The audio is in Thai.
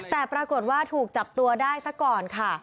แต่ปรากฏว่าถูกจับตัวได้ซะก่อนค่ะ